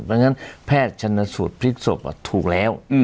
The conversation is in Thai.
เพราะฉะนั้นแพทย์ชนสูตรพลิกศพถูกแล้ว